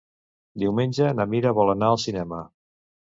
Diumenge na Mira vol anar al cinema.